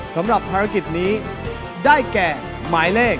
สำหรับภารกิจนี้ได้แก่หมายเลข